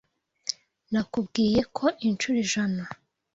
Nakubwiye ko inshuro ijana.